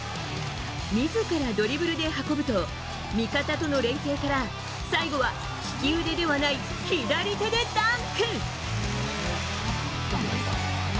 自らドリブルで運ぶと味方との連係から最後は利き腕ではない左手でダンク。